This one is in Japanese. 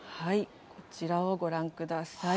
こちらをご覧ください。